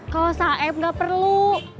kalau saeb gak perlu